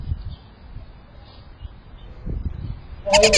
大豬小豬肉一盤